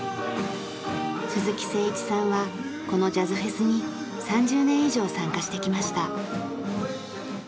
鈴木誠一さんはこのジャズフェスに３０年以上参加してきました。